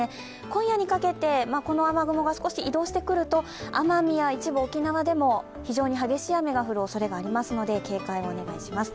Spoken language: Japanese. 今夜にかけてこの雨雲が少し移動してくると奄美や一部沖縄でも非常に激しい雨が降るおそれがありますので警戒をお願いします。